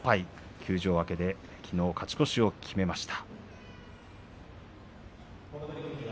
休場明けできのう勝ち越しを決めました。